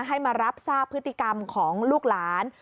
ให้มารับทราบพฤติกรรมของลูกหลาน